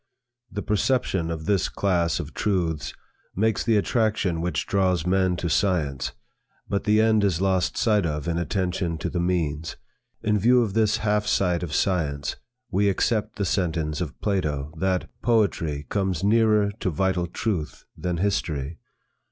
The perception of this class of truths makes the attraction which draws men to science, but the end is lost sight of in attention to the means. In view of this half sight of science, we accept the sentence of Plato, that, "poetry comes nearer to vital truth than history."